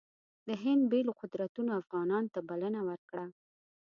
د هند بېلو قدرتونو افغانانو ته بلنه ورکړه.